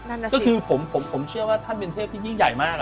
ก็คือผมเชื่อว่าท่านเป็นเทพที่ยิ่งใหญ่มากอะ